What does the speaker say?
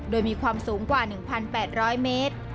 โดยมีความสูงกว่า๑๘๐๐เมตร